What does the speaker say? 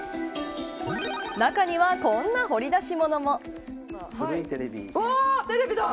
中には、こんな掘り出し物も。